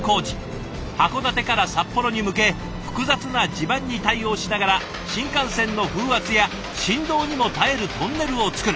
函館から札幌に向け複雑な地盤に対応しながら新幹線の風圧や振動にも耐えるトンネルを造る。